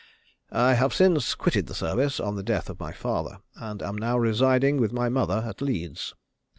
I have since quitted the service, on the death of my father, and am now residing with my mother at Leeds.